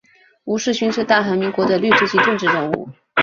吴世勋是大韩民国的律师及政治人物。